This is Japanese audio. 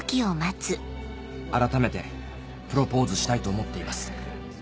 改めてプロポーズしたいと思っています。